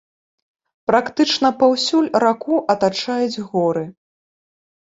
Практычна паўсюль раку атачаюць горы.